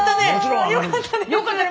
よかったね。